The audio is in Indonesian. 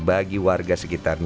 bagi warga wisata tubing